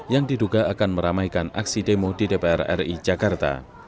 yang diduga akan meramaikan aksi demo di dpr ri jakarta